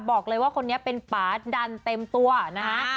บอกเลยว่าคนนี้เป็นป่าดันเต็มตัวนะฮะ